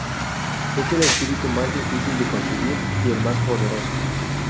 Es el espíritu más difícil de conseguir, y el más poderoso.